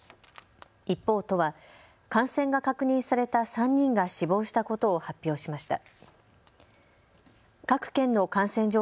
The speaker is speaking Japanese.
一方、都は感染が確認された３人が死亡したことを発表しました。